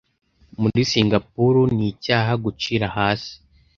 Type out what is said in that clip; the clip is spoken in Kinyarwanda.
Muri Singapuru, nicyaha gucira hasi.